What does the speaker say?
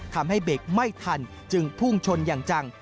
ทำให้เบรกไม่ทันจึงพุ่งชนอย่างจัง